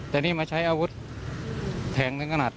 แต่นี่มาใช้อาวุธแทงนั้นกำหนัก